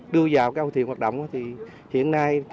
đưa vào cái âu thuyền hoạt động thì hiện nay